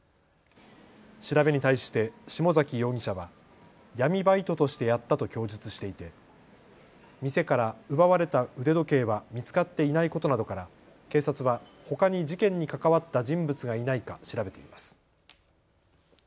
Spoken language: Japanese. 調べに対して下崎容疑者は闇バイトとしてやったと供述していて店から奪われた腕時計は見つかっていないことなどから警察はほかに事件に関わった人物がいないか調べています。